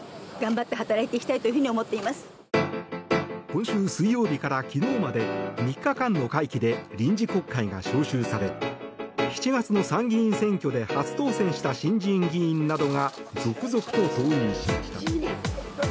今週水曜日から昨日まで３日間の会期で臨時国会が召集され７月の参議院選挙で初当選した新人議員などが続々と登院しました。